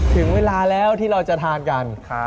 ถึงเวลาแล้วที่เราจะทานกัน